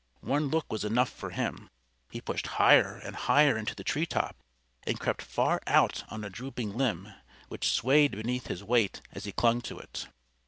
One look was enough for him. He pushed higher and higher into the tree top and crept far out on a drooping limb, which swayed beneath his weight as he clung to it.